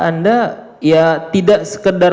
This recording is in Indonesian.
anda ya tidak sekedar